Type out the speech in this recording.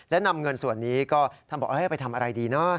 และนำเงินส่วนนี้ก็ท่านบอกให้ไปทำอะไรดีเนอะ